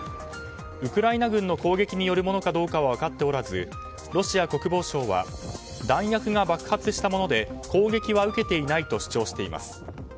ウクライナ軍の攻撃によるものかどうかは分かっておらずロシア国防省は大学が爆発したもので攻撃は受けていないと主張しています。